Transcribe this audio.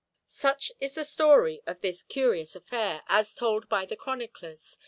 Such is the story of this curious affair, as told by the chroniclers.